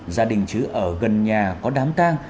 gia đình chứ ở gần nhà có đám tang